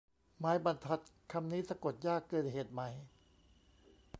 ไม้บรรทัด คำนี้สะกดยากเกินเหตุไหม